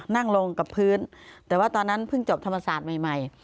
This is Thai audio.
นั่งลงกับพื้นแต่ว่าตอนนั้นเพิ่งจบธรรมศาสตร์ใหม่